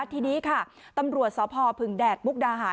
ทีนี้ค่ะตำรวจสพพึงแดดมุกดาหาร